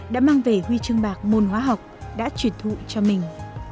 đã mang về huy chương bạc môn hóa học đã truyền thụ cho mình